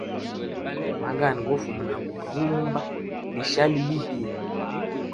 Magani gofuma na vumba lishali libi.